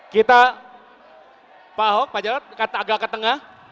kita pak ho pak jalur agak ke tengah